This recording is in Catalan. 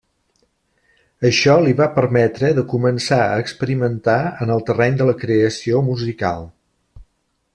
Això li va permetre de començar a experimentar en el terreny de la creació musical.